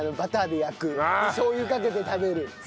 でしょう油かけて食べる。